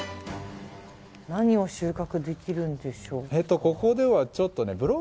何を収穫できるんでしょう。